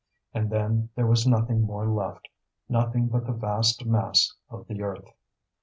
And then there was nothing more left, nothing but the vast mass of the earth.